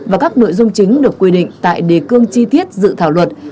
và các nội dung chính được quy định tại đề cương chi tiết dự thảo luật